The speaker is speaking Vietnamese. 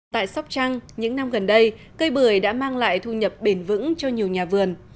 tại sóc trăng những năm gần đây cây bưởi đã mang lại thu nhập bền vững cho nhiều nhà vườn